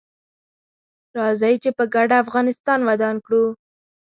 راځي چې په ګډه افغانستان ودان کړو